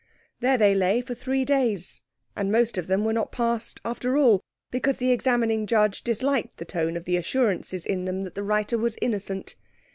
There they lay for three days, and most of them were not passed after all, because the Examining Judge disliked the tone of the assurances in them that the writer was innocent.